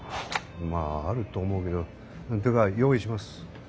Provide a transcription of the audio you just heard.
まああると思うけどってか用意します。